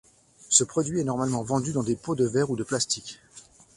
Ce produit est normalement vendu dans des pots de verre ou de plastique.